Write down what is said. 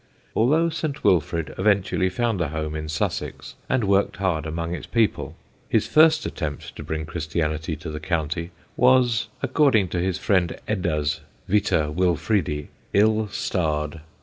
Although Saint Wilfrid eventually found a home in Sussex and worked hard among its people, his first attempt to bring Christianity to the county was, according to his friend Edda's Vita Wilfridi, ill starred.